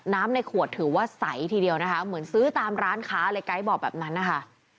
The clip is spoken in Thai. ในขวดถือว่าใสทีเดียวนะคะเหมือนซื้อตามร้านค้าเลยไกด์บอกแบบนั้นนะคะ